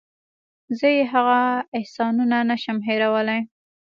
زه یې هغه احسانونه نشم هېرولی.